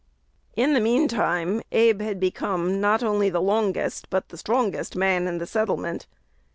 In the mean time Abe had become, not only the longest, but the strongest, man in the settlement.